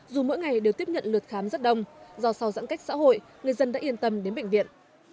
dù mỗi ngày đều tiếp nhận lượt khám rất đông do sau giãn cách xã hội người dân đã yên tâm đến bệnh viện